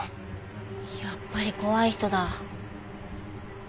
やっぱり怖い人だ。